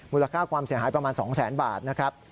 มูลค่าความเสียหายประมาณ๒แสนบาทนะครับ